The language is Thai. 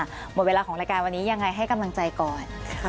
หมดเวลาของรายการวันนี้ยังไงให้กำลังใจก่อน